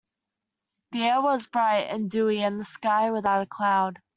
The air was bright and dewy and the sky without a cloud.